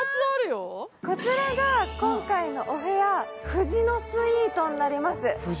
こちらが今回のお部屋、藤乃スイートになります。